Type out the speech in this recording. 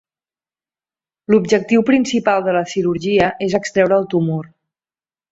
L'objectiu principal de la cirurgia és extreure el tumor.